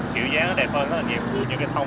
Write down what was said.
kiểu dáng nó đẹp hơn nó là nhiều hơn như cây thông